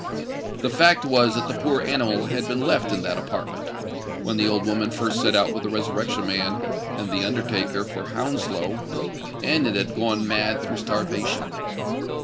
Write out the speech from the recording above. The fact was that the poor animal had been left in that apartment, when the old woman first set out with the Resurrection Man and the undertaker for Hounslow; and it had gone mad through starvation.